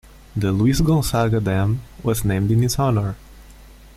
The Luiz Gonzaga Dam was named in his honor.